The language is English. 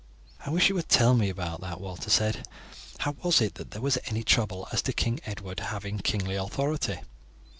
"I wish you would tell me about that," Walter said. "How was it that there was any trouble as to King Edward having kingly authority?"